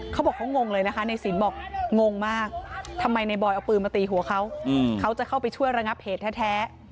เขาบอกเขางงเลยนะคะในสินบอกงงมากทำไมในบอยเอาปืนมาตีหัวเขาเขาจะเข้าไปช่วยระงับเหตุแท้